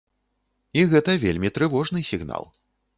І гэта вельмі трывожны сігнал.